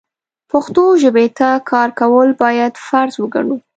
پښتو ژبې ته کار کول بايد فرض وګڼو.